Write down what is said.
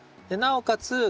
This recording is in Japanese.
なおかつ